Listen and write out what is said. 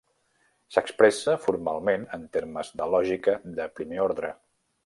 S'expressa formalment en termes de lògica de primer ordre.